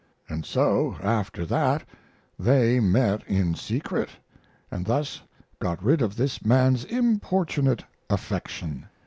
And so, after that, they met in secret, and thus got rid of this man's importunate affection.